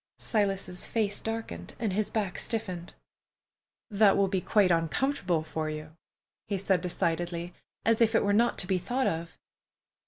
Silas's face darkened and his back stiffened. "That will be quite uncomfortable for you," he said decidedly, as if it were not to be thought of.